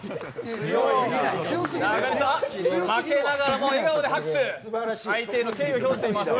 負けながらも笑顔で拍手相手への敬意を表しています。